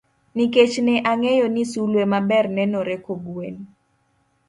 Nikech ne ang'eyo ni sulwe maber nenore kogwen.